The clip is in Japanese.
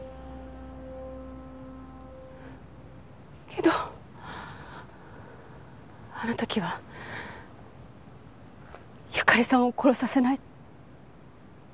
けどあの時は由香利さんを殺させない。